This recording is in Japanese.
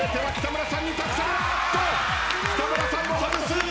北村さんも外す。